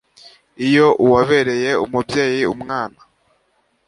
iyo uwabereye umubyeyi umwana